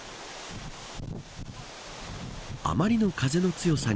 あまりの風の強さに